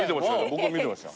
僕も見てました。